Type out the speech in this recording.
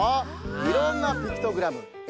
いろんなピクトグラムえ